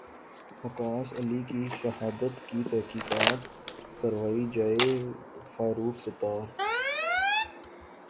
وقاص علی کی شہادت کی تحقیقات کروائی جائے فاروق ستار